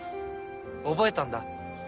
覚えたんだ。